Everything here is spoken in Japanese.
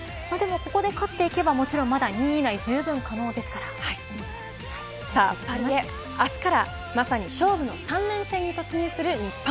ここで勝っていけばもちろんまだ２位以内じゅうぶんさあパリへ、明日からまさに勝負の３連戦に突入する日本。